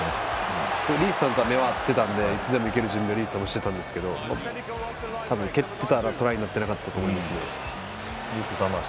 リーチさんとは目が合ってたのでいつでもいける準備はしていたんですけど蹴ったらトライになってなかったと思いますね。